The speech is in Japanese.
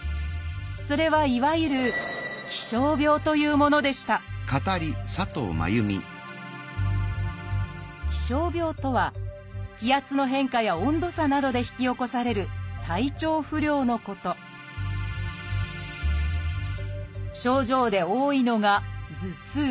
それはいわゆる気象病というものでした「気象病」とは気圧の変化や温度差などで引き起こされる体調不良のこと症状で多いのが頭痛。